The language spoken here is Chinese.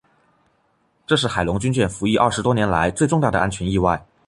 这是海龙军舰服役二十多年来最重大的安全意外。